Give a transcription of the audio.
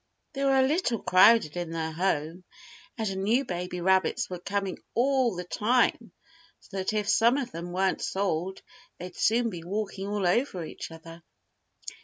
They were a little crowded in their home, and new baby rabbits were coming all the time so that if some of them weren't sold they'd soon be walking all over each other.